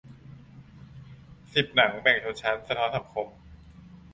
สิบ หนังแบ่งชนชั้น สะท้อนสังคม